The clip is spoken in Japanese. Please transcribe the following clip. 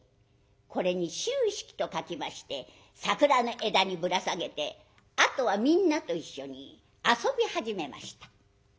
これに「秋色」と書きまして桜の枝にぶら下げてあとはみんなと一緒に遊び始めました。